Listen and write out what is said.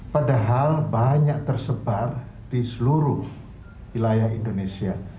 padahal banyak tersebar di seluruh wilayah indonesia